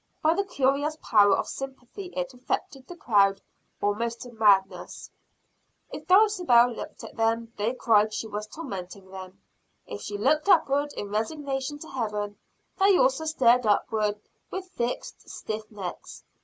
By the curious power of sympathy it affected the crowd almost to madness. If Dulcibel looked at them, they cried she was tormenting them. If she looked upward in resignation to Heaven, they also stared upwards with fixed, stiff necks.